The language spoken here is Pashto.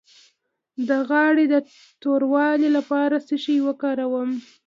د غاړې د توروالي لپاره څه شی وکاروم؟